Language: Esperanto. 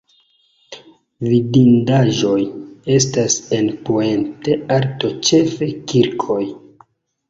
Vidindaĵoj estas en Puente Alto ĉefe kirkoj.